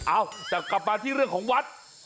เอ้าแต่กลับมาที่เรื่องของวัด